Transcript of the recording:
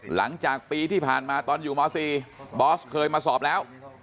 หลังจากปีที่ผ่านมาตอนอยู่ม๔บอสเคยมาสอบแล้ว